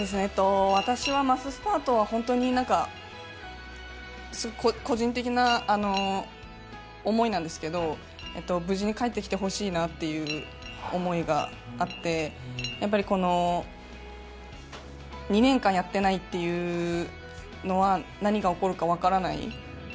私はマススタートは本当に個人的な思いなんですけれども、無事に帰ってきてほしいなという思いがあってやっぱり２年間やっていないというのは何が起こるか分からない。